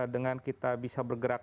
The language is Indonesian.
dengan kita bisa bergerak